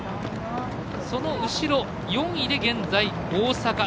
その後ろ４位で現在、大阪。